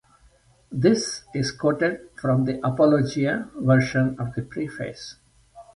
This is quoted from the "Apologia" version of the preface.